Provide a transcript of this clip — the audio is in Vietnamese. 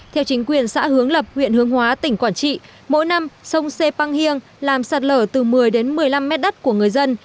theo chính quyền xã hướng lập huyện hương hóa tỉnh quảng trị mỗi năm sông xê păng hiêng làm sạt lở từ một mươi đến một mươi năm mét đất của người dân